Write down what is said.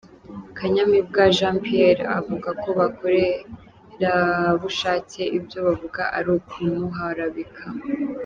Kanyamibwa Jean Pierre, avuga ko bakorerabushake ibyo bavuga ari ukumuharabika.